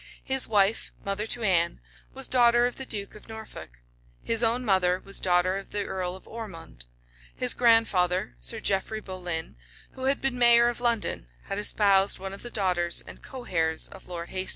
His wife, mother to Anne, was daughter of the duke of Norfolk; his own mother was daughter of the earl of Ormond; his grandfather, Sir Geoffrey Boleyn, who had been mayor of London, had espoused one of the daughters and coheirs of Lord Hastings.